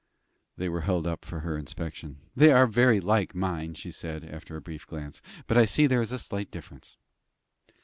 They were held up for her inspection. "They are very like mine," she said, after a brief glance; "but I see there is a slight difference."